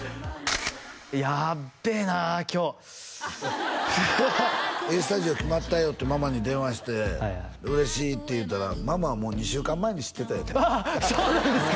やっべえな今日「ＡＳＴＵＤＩＯ＋」決まったよってママに電話して嬉しいって言うたらママはもう２週間前に知ってた言うてああそうなんですか？